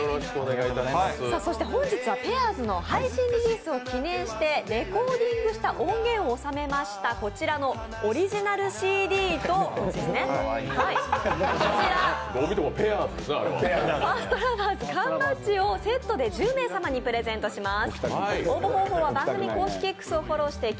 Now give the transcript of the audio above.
本日は「ペアーズ」の配信リリースを記念してレコーディングした音源を収めましたこちらのオリジナルＣＤ、こちらファーストラバーズ缶バッジをセットで１０名様にプレゼントします。